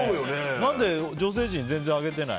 何で、女性陣は全然挙げてない。